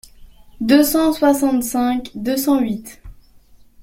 deux cent soixante-cinq deux cent huit.